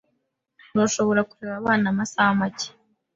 Urashobora kureba abana amasaha make?